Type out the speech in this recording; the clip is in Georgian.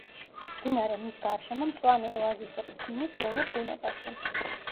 მდინარე მის გარშემო მწვანე ოაზისებს ქმნის ველურ ბუნებაში.